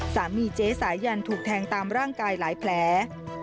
เจ๊สายันถูกแทงตามร่างกายหลายแผล